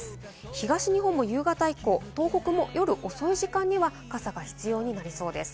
東日本も夕方以降、東北も夜遅い時間には傘が必要になりそうです。